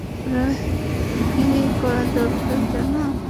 ওর কী করা দরকার, জানো?